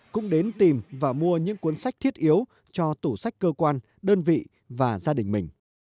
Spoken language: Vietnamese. cũng đến tìm và mua những cuốn sách thiết yếu cho tủ sách cơ quan đơn vị và gia đình mình